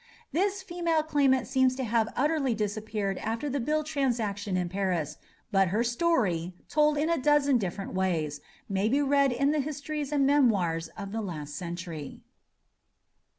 This female claimant seems to have utterly disappeared after the bill transaction in Paris, but her story, told in a dozen different ways, may be read in the histories and memoirs of the last century.